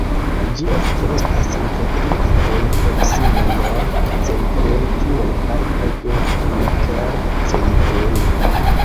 Ĝi ofte estas integrita kun proksima Nor-Zejtun kiel parto de Kanaker-Zejtun.